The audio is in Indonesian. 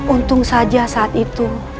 untung saja saat itu